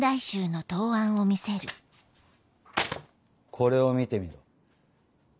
これを見てみろ。